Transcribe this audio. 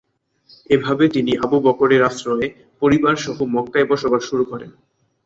এভাবে তিনি আবু বকরের আশ্রয়ে পরিবারসহ মক্কায় বসবাস শুরু করেন।